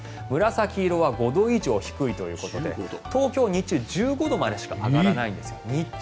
紫色は５度以上低いということで東京、日中１５度までしか上がらないんです。